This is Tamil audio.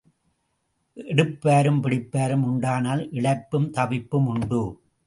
எடுப்பாரும் பிடிப்பாரும் உண்டானால் இளைப்பும் தவிப்பும் உண்டு.